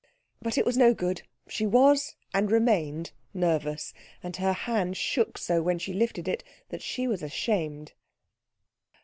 But it was no good; she was and remained nervous, and her hand shook so when she lifted it that she was ashamed.